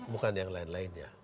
bukan yang lain lainnya